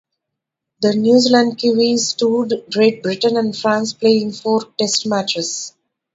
The New Zealand Kiwis toured Great Britain and France playing four test matches.